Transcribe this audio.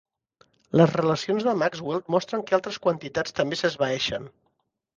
Les relacions de Maxwell mostren que altres quantitats també s'esvaeixen.